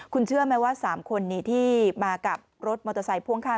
คุณเชื่อไหมว่า๓คนนี้ที่มากับรถมอเตอร์ไซค์พ่วงข้าง